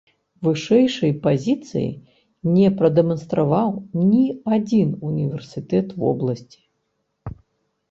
Вышэйшай пазіцыі не прадэманстраваў ні адзін універсітэт вобласці.